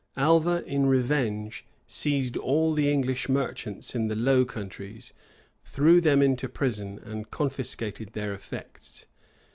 Alva, in revenge, seized all the English merchants in the Low Countries, threw them into prison, and confiscated their effects.